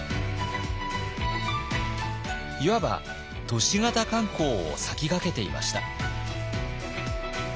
いわば都市型観光を先駆けていました。